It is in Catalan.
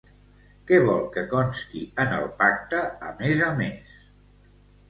Què vol que consti en el pacte a més a més?